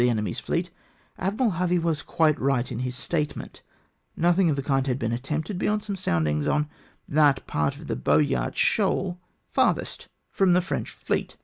enemy's fleet, Admiral Harvey was quite right in his statement Nothing of the kind had been attempted beyond some soundings on that part of the Boyart shoal, farthest from the French fleet!